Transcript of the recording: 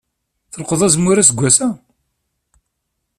Tleqḍeḍ azemmur aseggas-a?